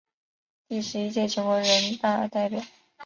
第十一届全国人大代表。